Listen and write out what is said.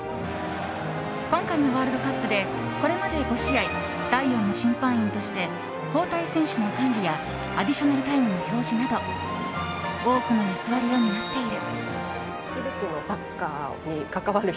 今回のワールドカップでこれまで５試合第４の審判員として交代選手の管理やアディショナルタイムの表示など多くの役割を担っている。